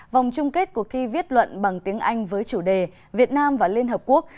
vòng chung kết cuộc thi viết luận bằng tiếng anh với chủ đề việt nam và liên hợp quốc